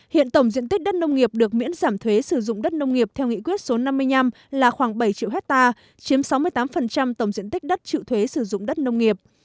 hiện tổng diện tích đất nông nghiệp được miễn giảm thuế sử dụng đất nông nghiệp theo nghị quyết số năm mươi năm là khoảng bảy triệu hectare chiếm sáu mươi tám tổng diện tích đất trự thuế sử dụng đất nông nghiệp